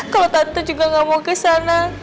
kalau tante juga gak mau ke sana